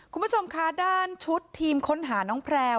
คุณผู้ชมคะด้านชุดทีมค้นหาน้องแพลว